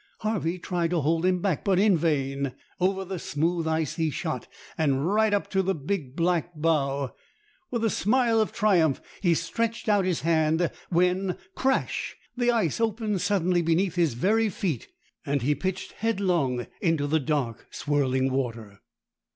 Harvey tried to hold him back, but in vain. Over the smooth ice he shot, and right up to the big black bow. With a smile of triumph he stretched out his hand, when—crash! the ice opened suddenly beneath his very feet, and he pitched headlong into the dark swirling water.